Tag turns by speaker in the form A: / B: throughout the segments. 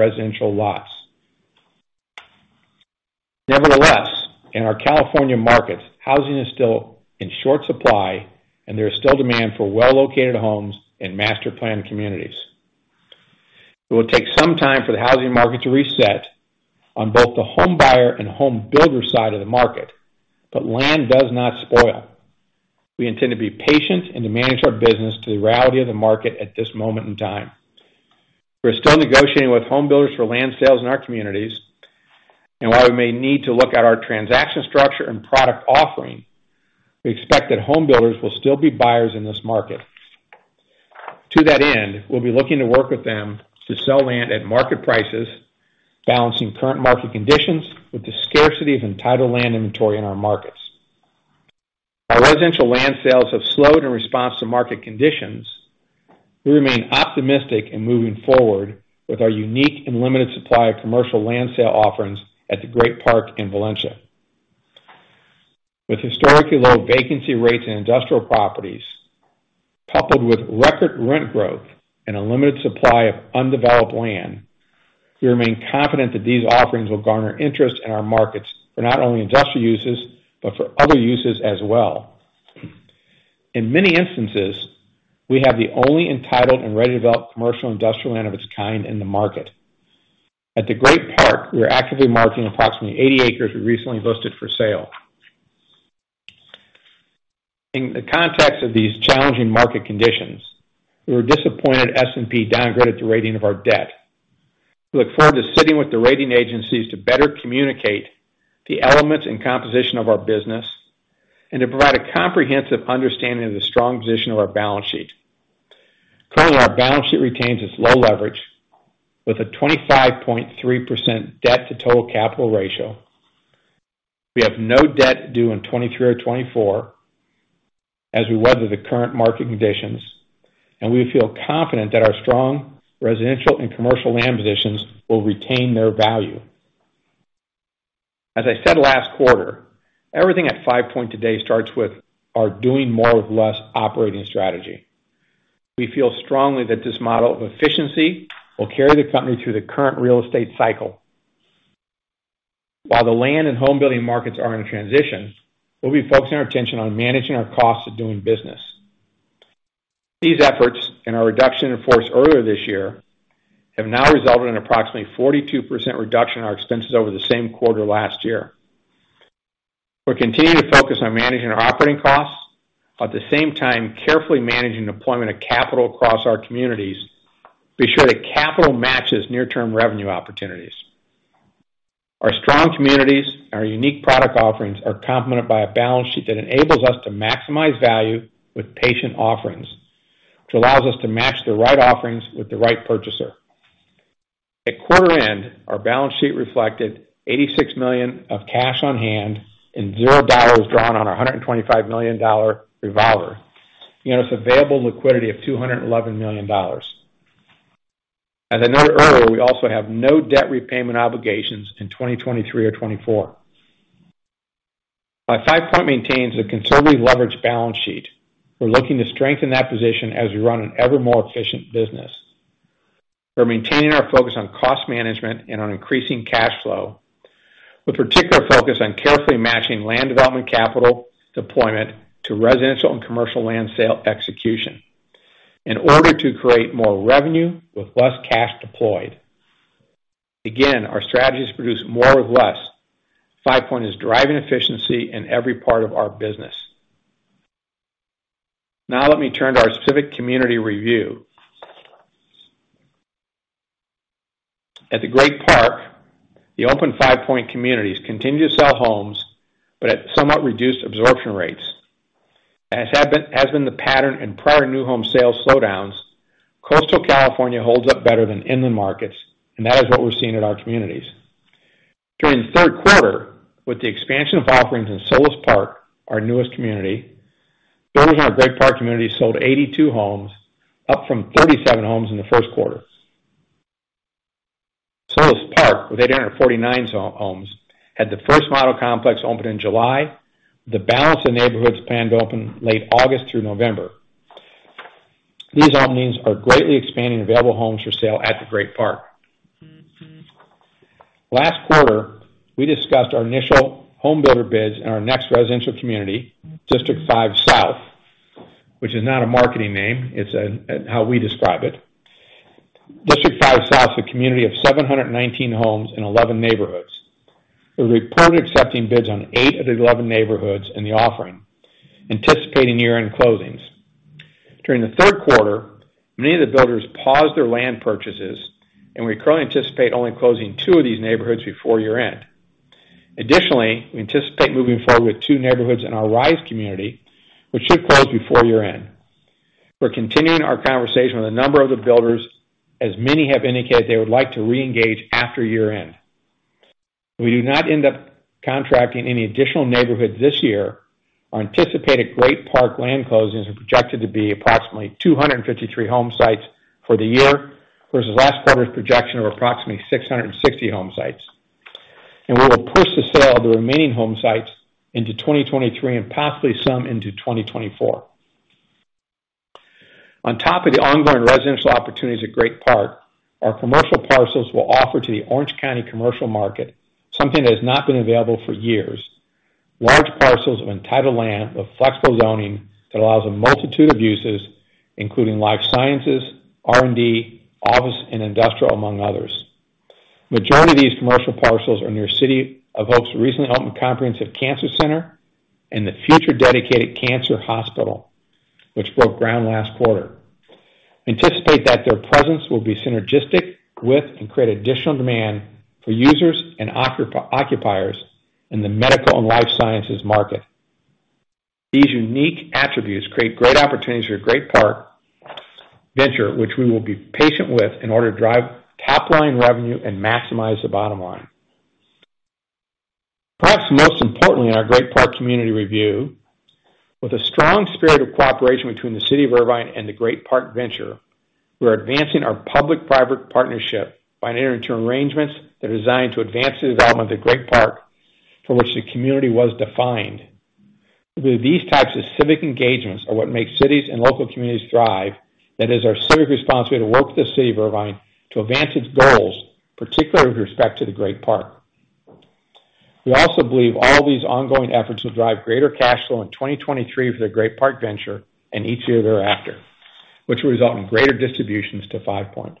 A: Residential lots. Nevertheless, in our California markets, housing is still in short supply, and there is still demand for well-located homes in master planned communities. It will take some time for the housing market to reset on both the home buyer and home builder side of the market. Land does not spoil. We intend to be patient and to manage our business to the reality of the market at this moment in time. We're still negotiating with home builders for land sales in our communities, and while we may need to look at our transaction structure and product offering, we expect that home builders will still be buyers in this market. To that end, we'll be looking to work with them to sell land at market prices, balancing current market conditions with the scarcity of entitled land inventory in our markets. Our residential land sales have slowed in response to market conditions. We remain optimistic in moving forward with our unique and limited supply of commercial land sale offerings at the Great Park in Irvine. With historically low vacancy rates in industrial properties, coupled with record rent growth and a limited supply of undeveloped land, we remain confident that these offerings will garner interest in our markets for not only industrial uses, but for other uses as well. In many instances, we have the only entitled and ready-to-develop commercial and industrial land of its kind in the market. At the Great Park, we are actively marketing approximately 80 acres we recently listed for sale. In the context of these challenging market conditions, we were disappointed S&P downgraded the rating of our debt. We look forward to sitting with the rating agencies to better communicate the elements and composition of our business, and to provide a comprehensive understanding of the strong position of our balance sheet. Currently, our balance sheet retains its low leverage with a 25.3% debt to total capital ratio. We have no debt due in 2023 or 2024 as we weather the current market conditions, and we feel confident that our strong residential and commercial land positions will retain their value. As I said last quarter, everything at FivePoint today starts with our doing more with less operating strategy. We feel strongly that this model of efficiency will carry the company through the current real estate cycle. While the land and home building markets are in transition, we'll be focusing our attention on managing our cost of doing business. These efforts, and our reduction in force earlier this year, have now resulted in approximately 42% reduction in our expenses over the same quarter last year. We're continuing to focus on managing our operating costs, while at the same time carefully managing deployment of capital across our communities to be sure that capital matches near-term revenue opportunities. Our strong communities and our unique product offerings are complemented by a balance sheet that enables us to maximize value with patient offerings, which allows us to match the right offerings with the right purchaser. At quarter end, our balance sheet reflected $86 million of cash on hand and $0 drawn on our $125 million revolver, giving us available liquidity of $211 million. As I noted earlier, we also have no debt repayment obligations in 2023 or 2024. While FivePoint maintains a considerably leveraged balance sheet, we're looking to strengthen that position as we run an evermore efficient business. We're maintaining our focus on cost management and on increasing cash flow, with particular focus on carefully matching land development capital deployment to residential and commercial land sale execution in order to create more revenue with less cash deployed. Again, our strategy is to produce more with less. FivePoint is driving efficiency in every part of our business. Now let me turn to our specific community review. At the Great Park, the open FivePoint communities continue to sell homes, but at somewhat reduced absorption rates. As has been the pattern in prior new home sales slowdowns, coastal California holds up better than inland markets, and that is what we're seeing in our communities. During the Q3, with the expansion of offerings in Solis Park, our newest community, builders in our Great Park community sold 82 homes, up from 37 homes in the Q1. Solis Park, with 849 homes, had the first model complex open in July, with the balance of neighborhoods planned to open late August through November. These openings are greatly expanding available homes for sale at the Great Park. Last quarter, we discussed our initial home builder bids in our next residential community, District Five South, which is not a marketing name, it's how we describe it. District Five South is a community of 719 homes in 11 neighborhoods. We reported accepting bids on 8 of the 11 neighborhoods in the offering, anticipating year-end closings. During the Q3, many of the builders paused their land purchases, and we currently anticipate only closing two of these neighborhoods before year-end. Additionally, we anticipate moving forward with two neighborhoods in our Rise community, which should close before year-end. We're continuing our conversation with a number of the builders, as many have indicated they would like to re-engage after year-end. If we do not end up contracting any additional neighborhoods this year, our anticipated Great Park land closings are projected to be approximately 253 home sites for the year, versus last quarter's projection of approximately 660 home sites. We will push the sale of the remaining home sites into 2023, and possibly some into 2024. On top of the ongoing residential opportunities at Great Park, our commercial parcels will offer to the Orange County commercial market something that has not been available for years. Large parcels of entitled land with flexible zoning that allows a multitude of uses, including life sciences, R&D, office, and industrial, among others. Majority of these commercial parcels are near City of Hope's recently opened Comprehensive Cancer Center and the future dedicated cancer hospital, which broke ground last quarter. Anticipate that their presence will be synergistic with and create additional demand for users and occupiers in the medical and life sciences market. These unique attributes create great opportunities for Great Park Venture, which we will be patient with in order to drive top-line revenue and maximize the bottom line. Perhaps most importantly, in our Great Park community review, with a strong spirit of cooperation between the City of Irvine and the Great Park Venture, we're advancing our public-private partnership by entering into arrangements that are designed to advance the development of Great Park for which the community was defined. It's with these types of civic engagements are what make cities and local communities thrive. That is our civic responsibility to work with the City of Irvine to advance its goals, particularly with respect to the Great Park. We also believe all these ongoing efforts will drive greater cash flow in 2023 for the Great Park Venture and each year thereafter, which will result in greater distributions to Five Point.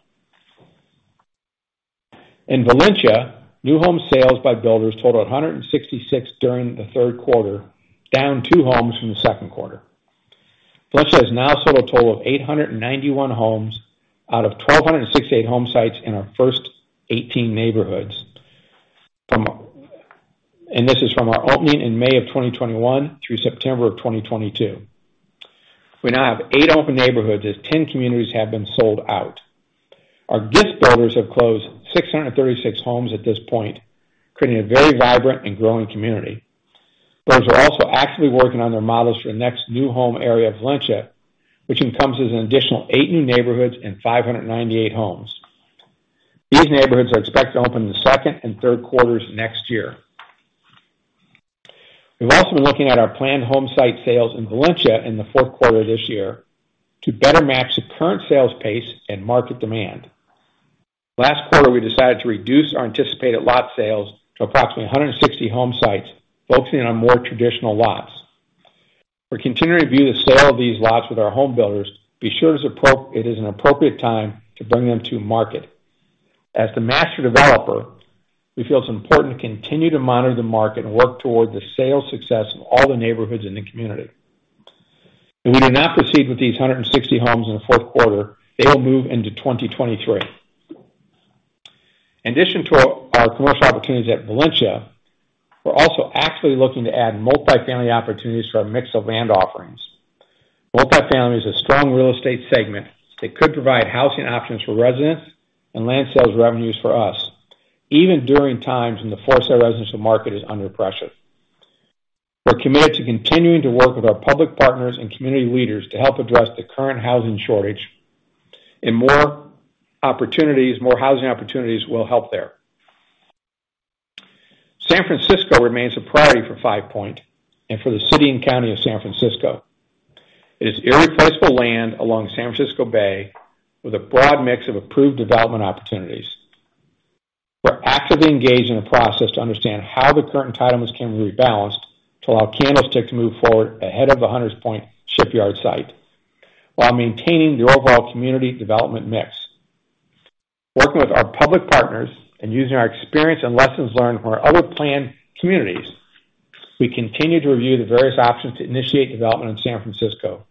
A: In Valencia, new home sales by builders totaled 166 during the Q3, down two homes from the Q2. Valencia has now sold a total of 891 homes out of 1,268 home sites in our first 18 neighborhoods. This is from our opening in May 2021 through September 2022. We now have eight open neighborhoods as ten communities have been sold out. Our six builders have closed 636 homes at this point, creating a very vibrant and growing community. Builders are also actively working on their models for the next new home area of Valencia, which encompasses an additional eight new neighborhoods and 598 homes. These neighborhoods are expected to open in the second and Q3s next year. We've also been looking at our planned home site sales in Valencia in the Q4 of this year to better match the current sales pace and market demand. Last quarter, we decided to reduce our anticipated lot sales to approximately 160 home sites, focusing on more traditional lots. We're continuing to view the sale of these lots with our home builders to be sure it is an appropriate time to bring them to market. As the master developer, we feel it's important to continue to monitor the market and work toward the sales success of all the neighborhoods in the community. If we do not proceed with these 160 homes in the Q4, they will move into 2023. In addition to our commercial opportunities at Valencia, we're also actively looking to add multi-family opportunities for our mix of land offerings. Multi-family is a strong real estate segment that could provide housing options for residents and land sales revenues for us, even during times when the for-sale residential market is under pressure. We're committed to continuing to work with our public partners and community leaders to help address the current housing shortage, and more opportunities, more housing opportunities will help there. San Francisco remains a priority for FivePoint and for the City and County of San Francisco. It is irreplaceable land along San Francisco Bay with a broad mix of approved development opportunities. We're actively engaged in a process to understand how the current entitlements can be rebalanced to allow Candlestick to move forward ahead of the Hunters Point Shipyard site while maintaining the overall community development mix. Working with our public partners and using our experience and lessons learned from our other planned communities, we continue to review the various options to initiate development in San Francisco,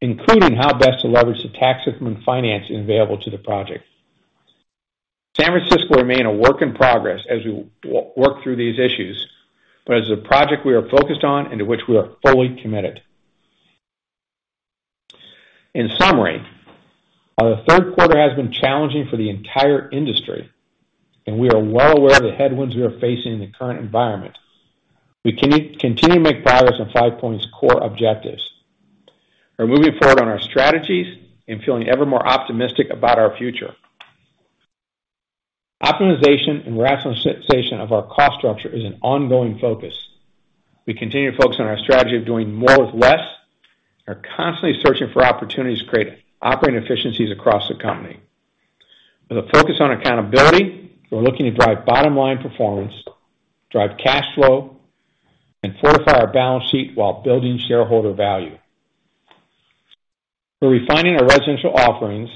A: including how best to leverage the Tax Increment Financing available to the project. San Francisco remains a work in progress as we work through these issues, but it's a project we are focused on and to which we are fully committed. In summary, while the Q3 has been challenging for the entire industry, and we are well aware of the headwinds we are facing in the current environment, we continue to make progress on Five Point's core objectives. We're moving forward on our strategies and feeling ever more optimistic about our future. Optimization and rationalization of our cost structure is an ongoing focus. We continue to focus on our strategy of doing more with less, and are constantly searching for opportunities to create operating efficiencies across the company. With a focus on accountability, we're looking to drive bottom-line performance, drive cash flow, and fortify our balance sheet while building shareholder value. We're refining our residential offerings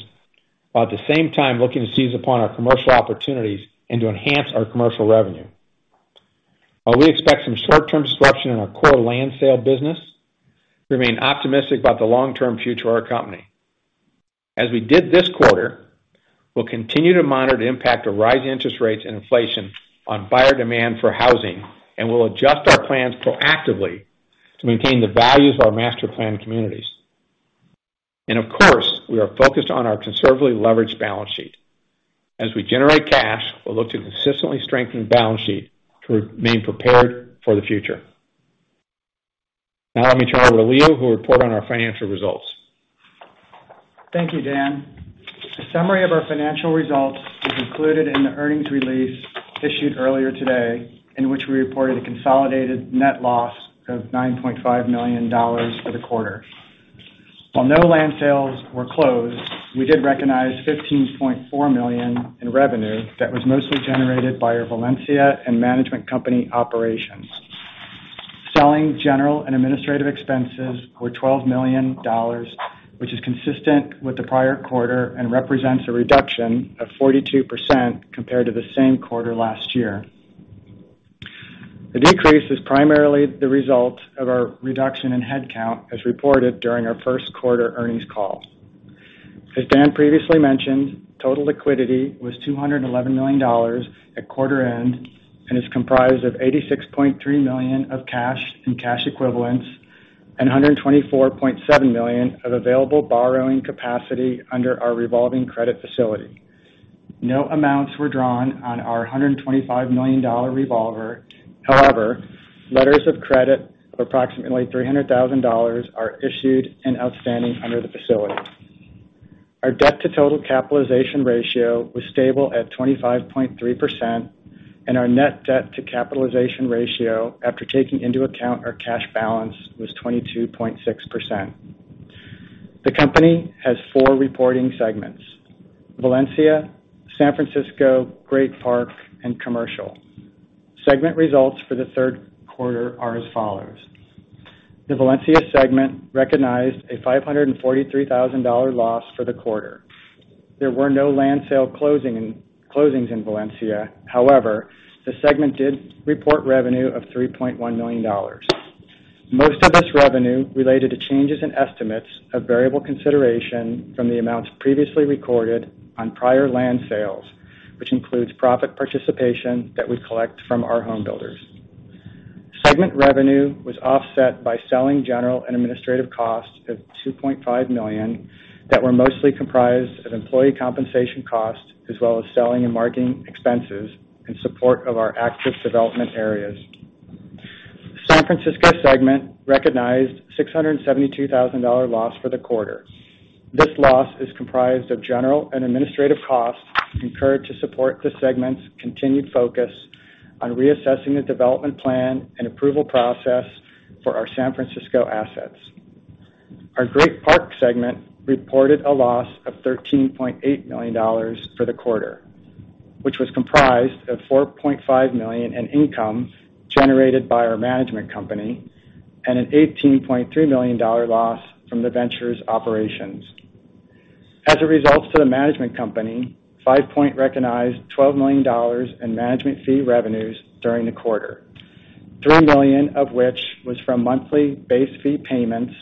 A: while at the same time looking to seize upon our commercial opportunities and to enhance our commercial revenue. While we expect some short-term disruption in our core land sale business, we remain optimistic about the long-term future of our company. As we did this quarter, we'll continue to monitor the impact of rising interest rates and inflation on buyer demand for housing, and we'll adjust our plans proactively to maintain the values of our master planned communities. Of course, we are focused on our conservatively leveraged balance sheet. As we generate cash, we'll look to consistently strengthen the balance sheet to remain prepared for the future. Now let me turn it over to Leo, who will report on our financial results.
B: Thank you, Dan. A summary of our financial results is included in the earnings release issued earlier today, in which we reported a consolidated net loss of $9.5 million for the quarter. While no land sales were closed, we did recognize $15.4 million in revenue that was mostly generated by our Valencia and management company operations. Selling general and administrative expenses were $12 million, which is consistent with the prior quarter and represents a reduction of 42% compared to the same quarter last year. The decrease is primarily the result of our reduction in headcount as reported during our Q1 earnings call. As Dan previously mentioned, total liquidity was $211 million at quarter end and is comprised of $86.3 million of cash and cash equivalents and $124.7 million of available borrowing capacity under our revolving credit facility. No amounts were drawn on our $125 million revolver. However, letters of credit of approximately $300,000 are issued and outstanding under the facility. Our debt to total capitalization ratio was stable at 25.3% and our net debt to capitalization ratio, after taking into account our cash balance, was 22.6%. The company has four reporting segments, Valencia, San Francisco, Great Park, and Commercial. Segment results for the Q3 are as follows. The Valencia segment recognized a $543,000 loss for the quarter. There were no land sale closings in Valencia. However, the segment did report revenue of $3.1 million. Most of this revenue related to changes in estimates of variable consideration from the amounts previously recorded on prior land sales, which includes profit participation that we collect from our home builders. Segment revenue was offset by selling general and administrative costs of $2.5 million that were mostly comprised of employee compensation costs as well as selling and marketing expenses in support of our active development areas. San Francisco segment recognized $672,000 dollar loss for the quarter. This loss is comprised of general and administrative costs incurred to support the segment's continued focus on reassessing the development plan and approval process for our San Francisco assets. Our Great Park segment reported a loss of $13.8 million for the quarter, which was comprised of $4.5 million in income generated by our management company and an $18.3 million dollar loss from the venture's operations. As a result to the management company, FivePoint recognized $12 million in management fee revenues during the quarter, $3 million of which was from monthly base fee payments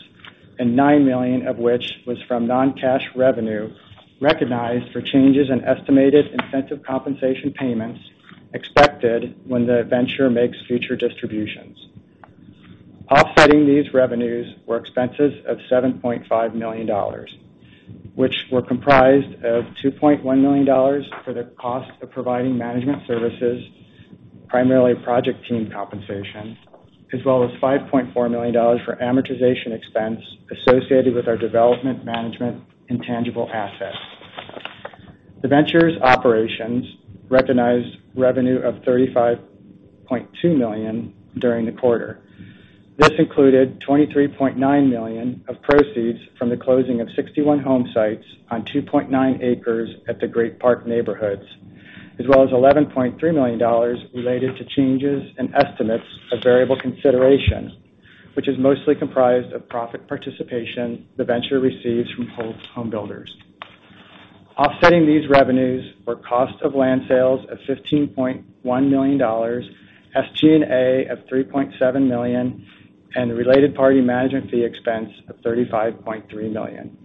B: and $9 million of which was from non-cash revenue recognized for changes in estimated incentive compensation payments expected when the venture makes future distributions. Offsetting these revenues were expenses of $7.5 million, which were comprised of $2.1 million for the cost of providing management services, primarily project team compensation, as well as $5.4 million for amortization expense associated with our development, management, and intangible assets. The venture's operations recognized revenue of $35.2 million during the quarter. This included $23.9 million of proceeds from the closing of 61 home sites on 2.9 acres at the Great Park Neighborhoods, as well as $11.3 million related to changes in estimates of variable consideration, which is mostly comprised of profit participation the venture receives from home builders. Offsetting these revenues were cost of land sales of $15.1 million, SG&A of $3.7 million, and the related party management fee expense of $35.3 million.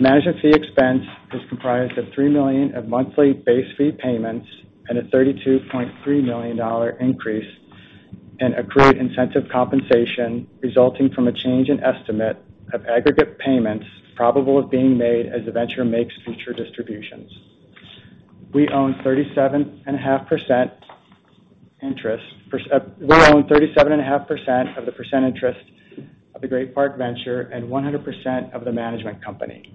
B: Management fee expense is comprised of $3 million of monthly base fee payments and a $32.3 million increase in accrued incentive compensation resulting from a change in estimate of aggregate payments probable of being made as the venture makes future distributions. We own 37.5% interest in the Great Park Venture and 100% of the management company.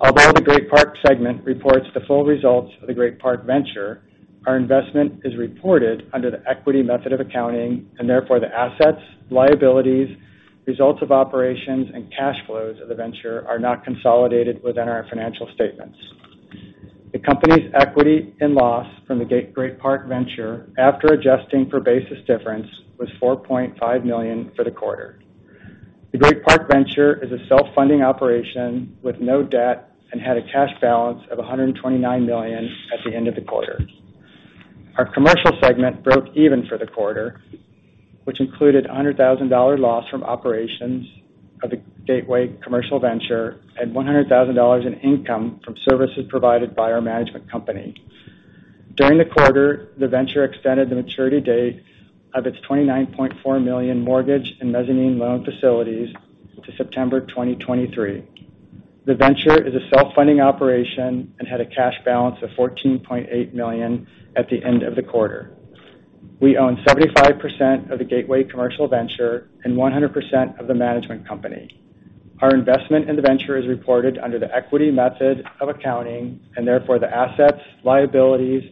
B: Although the Great Park segment reports the full results of the Great Park Venture, our investment is reported under the equity method of accounting, and therefore, the assets, liabilities, results of operations, and cash flows of the venture are not consolidated within our financial statements. The company's equity in loss from the Great Park Venture, after adjusting for basis difference, was $4.5 million for the quarter. The Great Park Venture is a self-funding operation with no debt and had a cash balance of $129 million at the end of the quarter. Our commercial segment broke even for the quarter, which included a $100,000 loss from operations of the Gateway Commercial Venture and $100,000 in income from services provided by our management company. During the quarter, the venture extended the maturity date of its $29.4 million mortgage and mezzanine loan facilities to September 2023. The venture is a self-funding operation and had a cash balance of $14.8 million at the end of the quarter. We own 75% of the Gateway Commercial Venture and 100% of the management company. Our investment in the venture is reported under the equity method of accounting, and therefore, the assets, liabilities,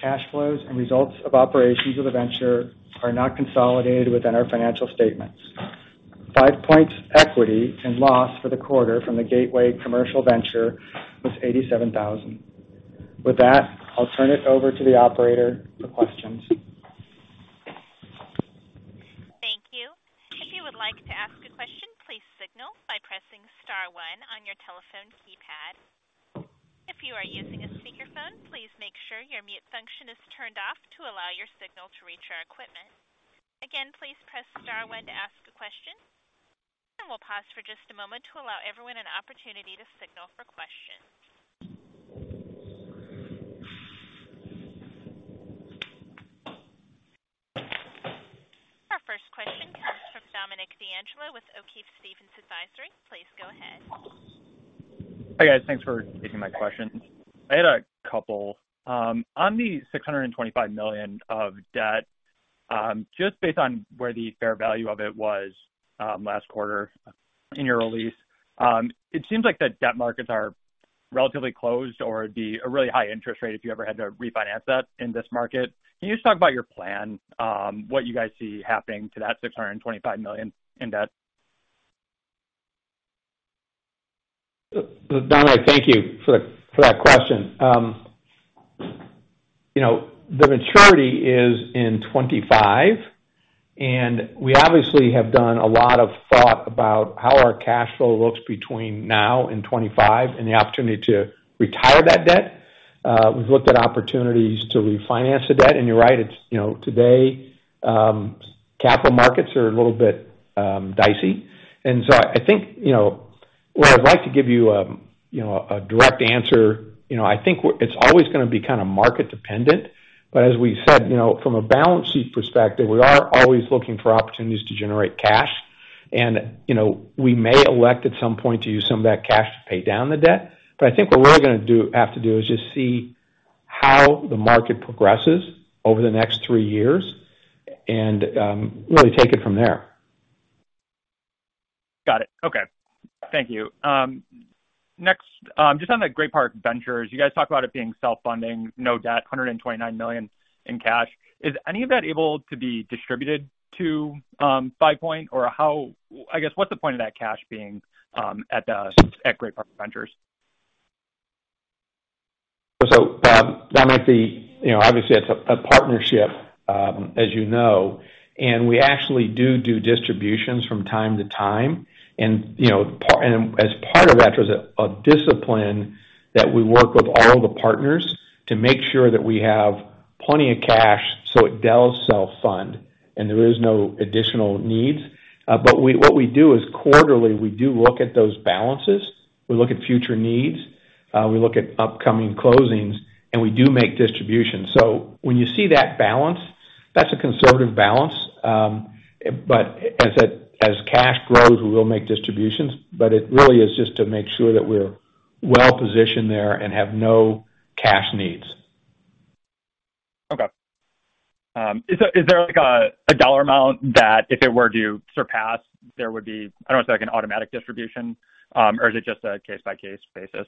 B: cash flows, and results of operations of the venture are not consolidated within our financial statements. FivePoint's equity and loss for the quarter from the Gateway Commercial Venture was $87,000. With that, I'll turn it over to the operator for questions.
C: Thank you. If you would like to ask a question, please signal by pressing star one on your telephone keypad. If you are using a speakerphone, please make sure your mute function is turned off to allow your signal to reach our equipment. Again, please press star one to ask a question, and we'll pause for just a moment to allow everyone an opportunity to signal for questions. Our first question comes from Dominick D'Angelo with O'Keefe Stevens Advisory. Please go ahead.
D: Hi, guys. Thanks for taking my question. I had a couple. On the $625 million of debt, just based on where the fair value of it was last quarter in your release, it seems like the debt markets are relatively closed or it'd be a really high interest rate if you ever had to refinance that in this market. Can you just talk about your plan, what you guys see happening to that $625 million in debt?
A: Dominick, thank you for that question. You know, the maturity is in 2025, and we obviously have done a lot of thought about how our cash flow looks between now and 2025 and the opportunity to retire that debt. We've looked at opportunities to refinance the debt, and you're right. It's, you know, today, capital markets are a little bit, dicey. I think, you know, where I'd like to give you a, you know, a direct answer, you know, I think it's always gonna be kind of market dependent. As we said, you know, from a balance sheet perspective, we are always looking for opportunities to generate cash. You know, we may elect at some point to use some of that cash to pay down the debt. I think what we're gonna have to do is just see how the market progresses over the next three years and really take it from there.
D: Got it. Okay. Thank you. Next, just on the Great Park Venture, you guys talk about it being self-funding, no debt, $129 million in cash. Is any of that able to be distributed to Five Point? Or I guess, what's the point of that cash being at Great Park Venture?
A: Dominick, you know, obviously it's a partnership, as you know, and we actually do distributions from time to time. You know, as part of that, there's a discipline that we work with all the partners to make sure that we have plenty of cash, so it does self-fund and there is no additional needs. What we do is quarterly, we do look at those balances. We look at future needs, we look at upcoming closings, and we do make distributions. When you see that balance, that's a conservative balance. As cash grows, we will make distributions, but it really is just to make sure that we're well positioned there and have no cash needs.
D: Okay. Is there like a dollar amount that if it were to surpass, there would be, I don't know, say like an automatic distribution? Is it just a case-by-case basis?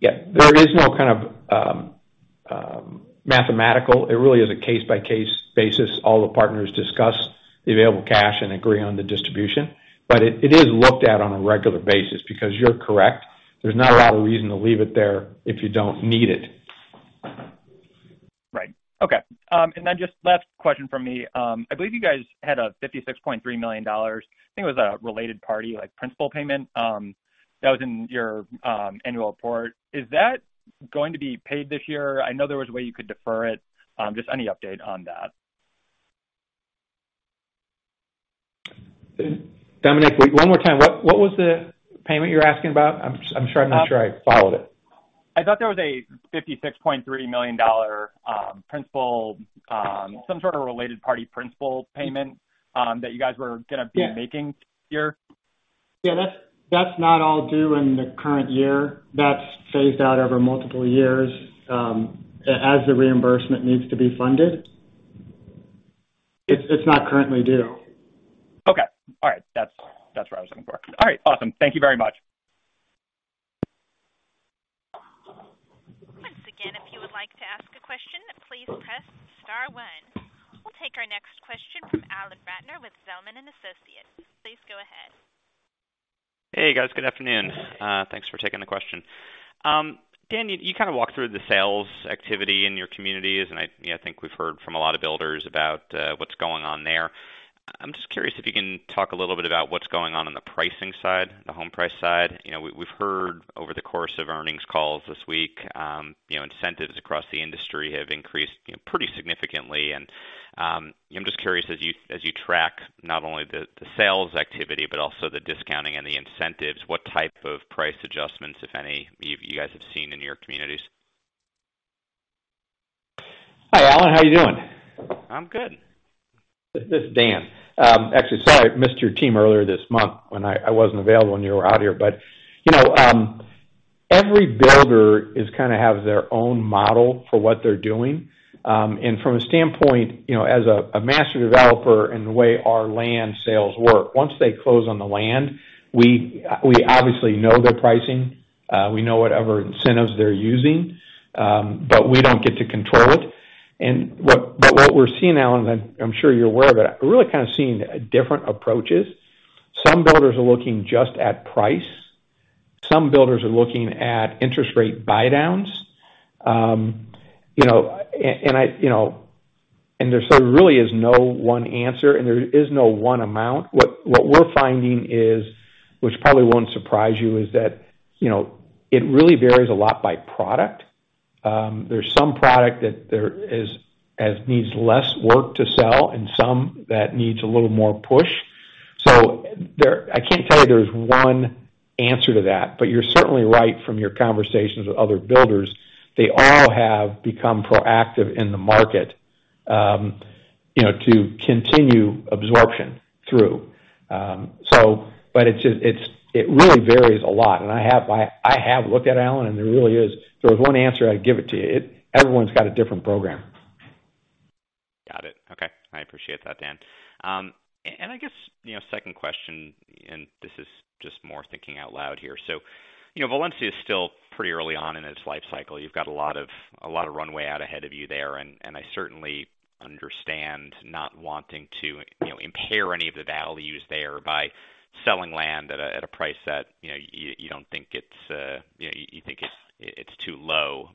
A: Yeah. There is no kind of, mathematical. It really is a case-by-case basis. All the partners discuss the available cash and agree on the distribution, but it is looked at on a regular basis because you're correct. There's not a lot of reason to leave it there if you don't need it.
D: Right. Okay. Just last question from me. I believe you guys had a $56.3 million. I think it was a related party, like principal payment, that was in your annual report. Is that going to be paid this year? I know there was a way you could defer it. Just any update on that.
A: Dominick, one more time, what was the payment you're asking about? I'm just trying to make sure I followed it.
D: I thought there was a $56.3 million principal, some sort of related party principal payment, that you guys were gonna be making this year.
B: Yeah, that's not all due in the current year. That's phased out over multiple years, as the reimbursement needs to be funded. It's not currently due.
D: Okay. All right. That's what I was looking for. All right. Awesome. Thank you very much.
C: Once again, if you would like to ask a question, please press star one. We'll take our next question from Alan Ratner with Zelman & Associates. Please go ahead.
E: Hey, guys. Good afternoon. Thanks for taking the question. Dan, you kind of walked through the sales activity in your communities, and you know, I think we've heard from a lot of builders about what's going on there. I'm just curious if you can talk a little bit about what's going on on the pricing side, the home price side. You know, we've heard over the course of earnings calls this week, you know, incentives across the industry have increased pretty significantly. I'm just curious as you track not only the sales activity, but also the discounting and the incentives, what type of price adjustments, if any, you guys have seen in your communities?
A: Hi, Alan. How are you doing?
E: I'm good.
A: This is Dan. Actually, sorry I missed your team earlier this month when I wasn't available when you were out here. You know, every builder kinda has their own model for what they're doing. From a standpoint, you know, as a master developer in the way our land sales work, once they close on the land, we obviously know their pricing, we know whatever incentives they're using, but we don't get to control it. What we're seeing now, and I'm sure you're aware of it, we're really kinda seeing different approaches. Some builders are looking just at price. Some builders are looking at interest rate buydowns. You know, and I you know. There's really no one answer, and there is no one amount. What we're finding is, which probably won't surprise you, is that, you know, it really varies a lot by product. There's some product that needs less work to sell and some that needs a little more push. I can't tell you there's one answer to that, but you're certainly right from your conversations with other builders. They all have become proactive in the market to continue absorption through. It just, it really varies a lot. I have looked at it, Alan, and there really is. If there was one answer, I'd give it to you. It. Everyone's got a different program.
E: Got it. Okay. I appreciate that, Dan. I guess, you know, second question, and this is just more thinking out loud here. You know, Valencia is still pretty early on in its lifecycle. You've got a lot of runway out ahead of you there, and I certainly understand not wanting to, you know, impair any of the values there by selling land at a price that, you know, you don't think it's, you know, you think it's too low.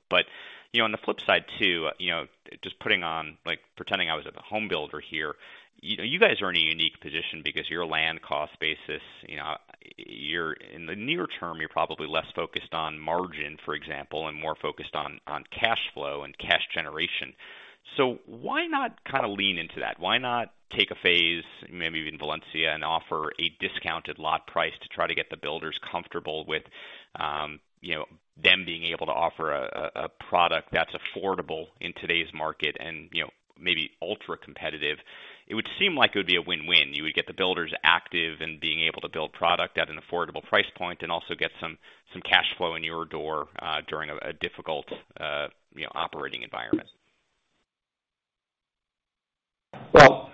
E: You know, on the flip side too, you know, just putting on like pretending I was at the home builder here, you guys are in a unique position because your land cost basis, you know, in the near term, you're probably less focused on margin, for example, and more focused on cash flow and cash generation. Why not kinda lean into that? Why not take a phase, maybe even Valencia, and offer a discounted lot price to try to get the builders comfortable with, you know, them being able to offer a product that's affordable in today's market and, you know, maybe ultra-competitive? It would seem like it would be a win-win. You would get the builders active and being able to build product at an affordable price point and also get some cash flow in your door during a difficult, you know, operating environment.
A: Well,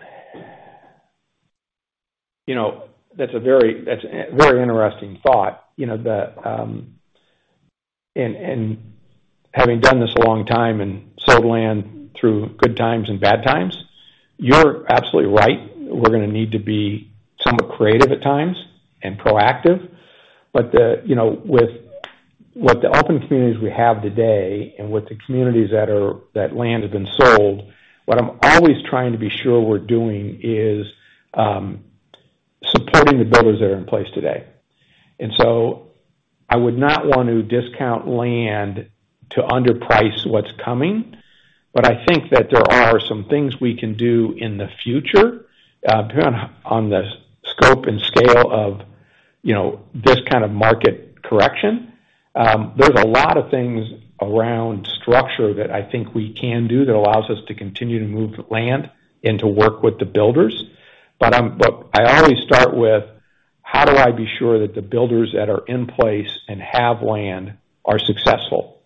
A: you know, that's a very interesting thought. You know, having done this a long time and sold land through good times and bad times, you're absolutely right. We're gonna need to be somewhat creative at times and proactive. You know, with the open communities we have today and with the communities that land have been sold, what I'm always trying to be sure we're doing is supporting the builders that are in place today. I would not want to discount land to underprice what's coming. I think that there are some things we can do in the future, depending on the scope and scale of, you know, this kind of market correction. There's a lot of things around structure that I think we can do that allows us to continue to move the land and to work with the builders. I always start with how do I be sure that the builders that are in place and have land are successful?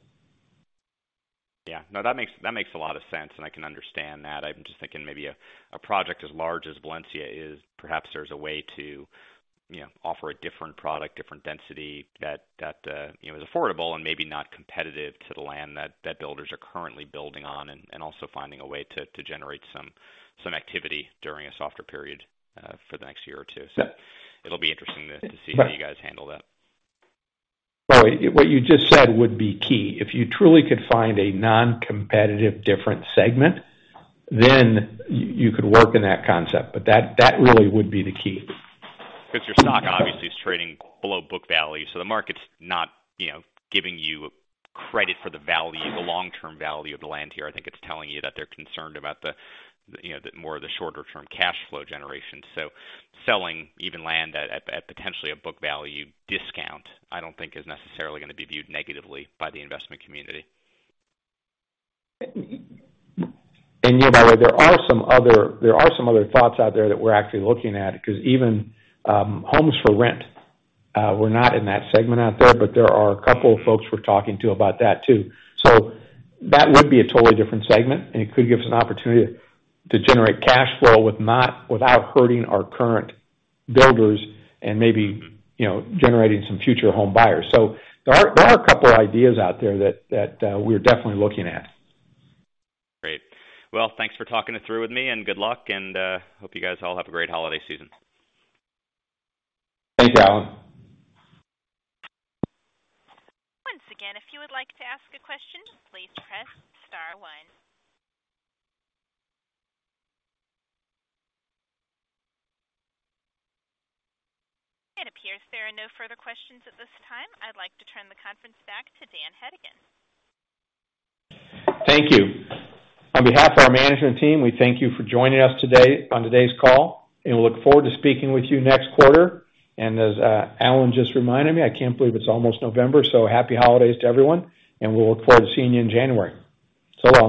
E: Yeah. No, that makes a lot of sense, and I can understand that. I'm just thinking maybe a project as large as Valencia is perhaps there's a way to, you know, offer a different product, different density that you know is affordable and maybe not competitive to the land that builders are currently building on and also finding a way to generate some activity during a softer period for the next year or two.
A: Yeah.
E: It'll be interesting to see.
A: Right.
E: How you guys handle that?
A: Well, what you just said would be key. If you truly could find a non-competitive different segment, then you could work in that concept, but that really would be the key.
E: 'Cause your stock obviously is trading below book value, so the market's not, you know, giving you credit for the value, the long-term value of the land here. I think it's telling you that they're concerned about the, you know, the more of the shorter term cash flow generation. Selling even land at potentially a book value discount, I don't think is necessarily gonna be viewed negatively by the investment community.
A: You're right. There are some other thoughts out there that we're actually looking at, 'cause even, homes for rent, we're not in that segment out there, but there are a couple of folks we're talking to about that too. That would be a totally different segment, and it could give us an opportunity to generate cash flow without hurting our current builders and maybe, you know, generating some future home buyers. There are a couple ideas out there that we're definitely looking at.
E: Great. Well, thanks for talking it through with me, and good luck and hope you guys all have a great holiday season.
A: Thank you, Alan.
C: Once again, if you would like to ask a question, please press star one. It appears there are no further questions at this time. I'd like to turn the conference back to Daniel Hedigan.
A: Thank you. On behalf of our management team, we thank you for joining us today on today's call, and we look forward to speaking with you next quarter. As Alan just reminded me, I can't believe it's almost November, so happy holidays to everyone, and we'll look forward to seeing you in January. So long.